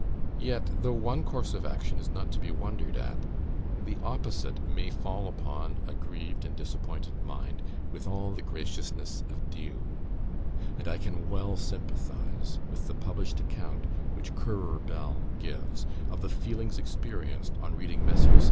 Yet, though one course of action is not to be wondered at, the opposite may fall upon a grieved and disappointed mind with all the graciousness of dew; and I can well sympathise with the published account which "Currer Bell" gives, of the feelings experienced on reading Messrs.